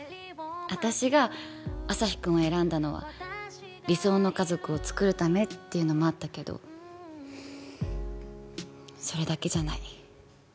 私が旭君を選んだのは理想の家族をつくるためっていうのもあったけどそれだけじゃない